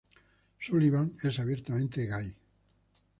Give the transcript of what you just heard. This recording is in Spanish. Sullivan es abiertamente gay.